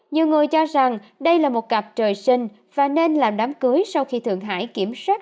nhiều người cho rằng đây là một cặp trời sinh và nên làm đám cưới sau khi thượng hải kiểm soát